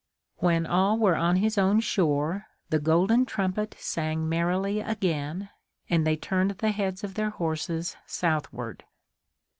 When all were on his own shore the golden trumpet sang merrily again, and they turned the heads of their horses southward.